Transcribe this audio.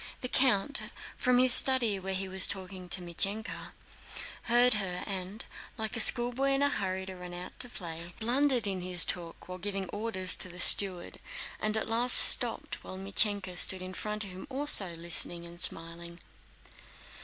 The count, from his study where he was talking to Mítenka, heard her and, like a schoolboy in a hurry to run out to play, blundered in his talk while giving orders to the steward, and at last stopped, while Mítenka stood in front of him also listening and smiling.